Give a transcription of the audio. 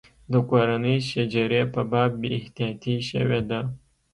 د کورنۍ شجرې په باب بې احتیاطي شوې ده.